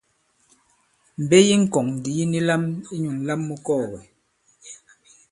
Mbe yi ŋkɔ̀ŋ ndì yi ni lam inyū ǹlam mu kɔɔ̀gɛ̀.